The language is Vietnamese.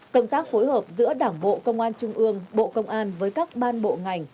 công tác phối hợp giữa đảng bộ công an trung ương bộ công an với các ban bộ ngành